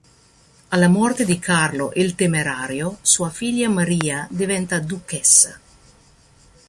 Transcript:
Alla morte di Carlo il Temerario, sua figlia Maria diventa duchessa.